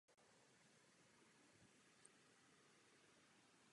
Zde je Rada pro lidská práva na dobré cestě.